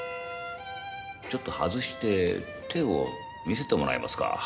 ちょっと外して手を見せてもらえますか？